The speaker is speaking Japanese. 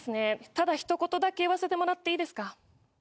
ただ一言だけ言わせてもらっていいですか？